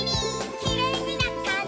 「きれいになったね」